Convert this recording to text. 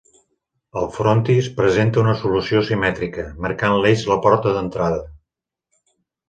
El frontis presenta una solució simètrica, marcant l'eix la porta d'entrada.